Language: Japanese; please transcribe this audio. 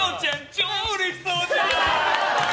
超うれしそうじゃん！